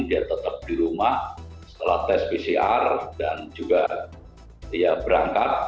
dia tetap di rumah setelah tes pcr dan juga dia berangkat